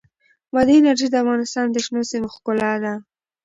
بادي انرژي د افغانستان د شنو سیمو ښکلا ده.